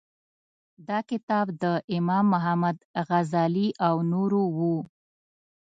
دا کتاب د امام محمد غزالي او نورو و.